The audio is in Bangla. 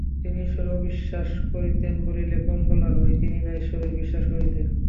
তিনি ঈশ্বরে অবিশ্বাস করিতেন বলিলে কম বলা হয়, তিনি না-ঈশ্বরে বিশ্বাস করিতেন।